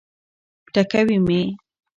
ټکوي مي.